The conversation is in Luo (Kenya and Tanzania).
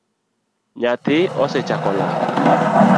Nyathi osechako lak